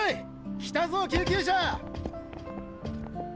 来たぞ救急車！